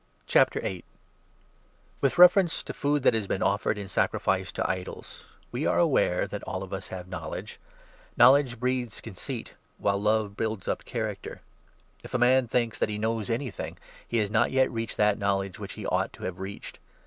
ON With reference to food that has been offered in i HEATHEN sacrifice to idols — We are aware that all of us ^ou'^sti"* have knowledge ! Knowledge breeds conceit, "of "* while love builds up character. If a man thinks 2 conscience, that he knows anything, he has not yet reached that knowledge which he ought to have reached.